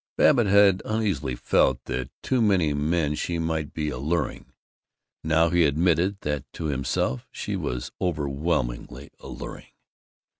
Babbitt had uneasily felt that to many men she might be alluring; now he admitted that to himself she was overwhelmingly alluring.